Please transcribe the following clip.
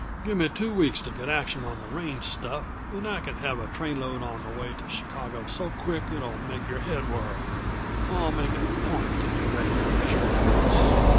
"Give me two weeks to get action on the range stuff, and I can have a trainload on the way to Chicago so quick it'll make your head whirl. I'll make it a point to be ready on short notice.